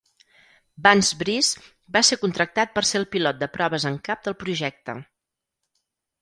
Vance Breese va ser contractat per ser el pilot de proves en cap del projecte.